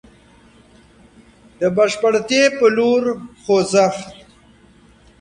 د بشپړتيا په لور خوځښت.